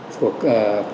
nhiều các tổ chức